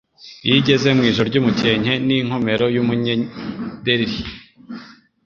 Iyo igeze mu ijuri ry' umukenke N' inkomero y' umunyereri,